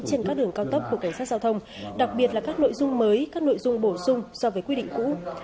trên các đường cao tốc của cảnh sát giao thông đặc biệt là các nội dung mới các nội dung bổ sung so với quy định cũ